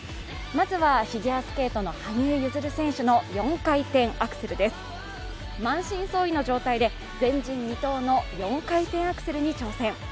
まずは、フィギュアスケートの羽生結弦選手の４回転アクセルです満身創痍の状態で前人未到の４回転アクセルに挑戦。